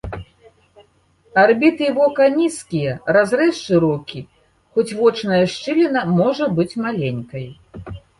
Арбіты вока нізкія, разрэз шырокі, хоць вочная шчыліна можа быць маленькай.